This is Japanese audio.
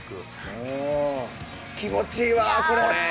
気持ちいいわ、これ。